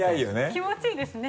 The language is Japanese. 気持ちいいですね